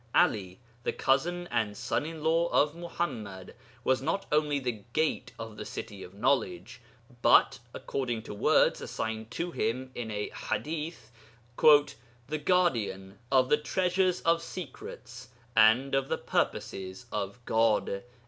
'Ali, the cousin and son in law of Muḥammad, was not only the Gate of the City of Knowledge, but, according to words assigned to him in a ḥadith, 'the guardian of the treasures of secrets and of the purposes of God.'